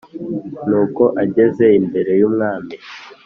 Nuko ageze imbere y’umwami